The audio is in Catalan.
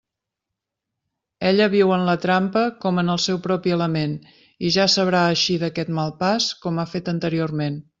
Ella viu en la trampa com en el seu propi element, i ja sabrà eixir d'aquest mal pas com ha fet anteriorment.